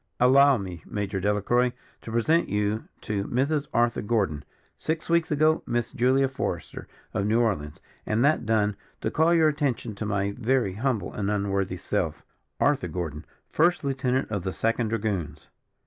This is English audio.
Allow me, Major Delacroix, to present you to Mrs. Arthur Gordon, six weeks ago Miss Julia Forester, of New Orleans; and that done, to call your attention to my very humble and unworthy self, Arthur Gordon, First Lieutenant of the Second Dragoons."